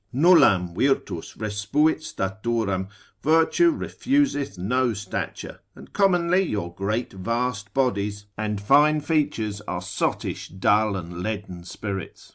Nullam virtus respuit staturam, virtue refuseth no stature, and commonly your great vast bodies, and fine features, are sottish, dull, and leaden spirits.